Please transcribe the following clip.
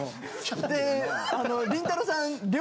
でりんたろーさん。